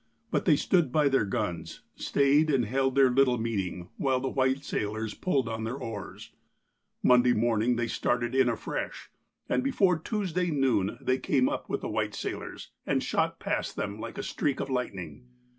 But they stood by their guns, stayed and held their little meeting, while the white sailors pulled on their oars. Monday morning they started in afresh, and, before Tuesday noon, they came up with the white sailors, and shot past them like a streak of lightning.